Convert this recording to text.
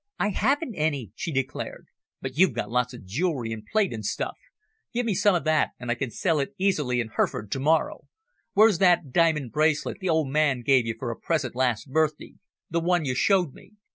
"I haven't any," she declared. "But you've got lots of jewellery and plate and stuff. Give me some of that, and I can sell it easily in Hereford to morrow. Where's that diamond bracelet the old man gave you for a present last birthday the one you showed me?"